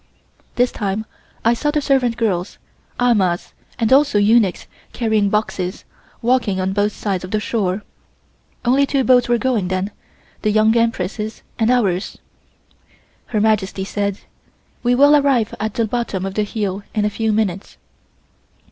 This time I saw the servant girls, amahs, and also eunuchs carrying boxes, walking on both sides of the shore. Only two boats were going then, the Young Empress' and ours. Her Majesty said: "We will arrive at the bottom of the hill in a few minutes."